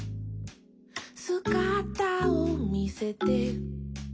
「すがたをみせて」